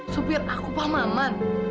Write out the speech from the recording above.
supir aku pak maman